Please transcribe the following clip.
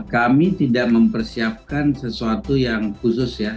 kami tidak mempersiapkan sesuatu yang khusus ya